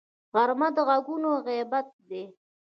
غرمه د غږونو غیابت دی